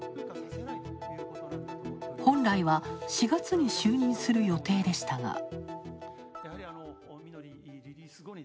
本来は４月に就任する予定でしたが。